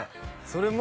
「それも」